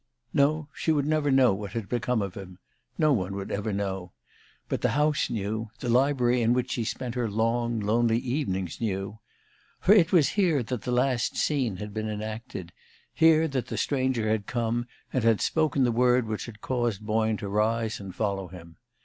No, she would never know what had become of him no one would ever know. But the house knew; the library in which she spent her long, lonely evenings knew. For it was here that the last scene had been enacted, here that the stranger had come, and spoken the word which had caused Boyne to rise and follow him.